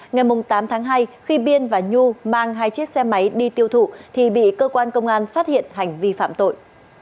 ngày tám tháng hai khi biên và nhu mang hai chiếc xe máy đi tiêu thụ thì bị cơ quan công an phát hiện hành vi phạm tội